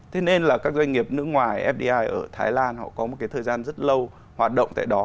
thế nên là các doanh nghiệp nước ngoài fdi ở thái lan họ có một cái thời gian rất lâu hoạt động tại đó